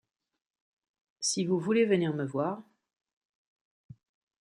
Si vous voulez venir me voir…